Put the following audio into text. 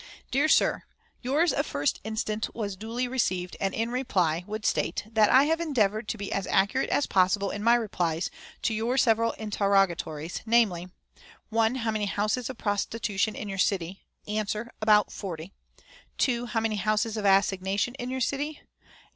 "DEAR SIR, Yours of 1st instant was duly received, and in reply would state that I have endeavored to be as accurate as possible in my replies to your several interrogatories, namely, "1. How many houses of prostitution in your city? "Answer. About forty. "2. How many houses of assignation in your city?